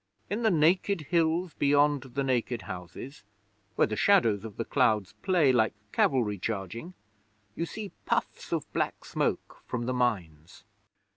In the naked hills beyond the naked houses, where the shadows of the clouds play like cavalry charging, you see puffs of black smoke from the mines.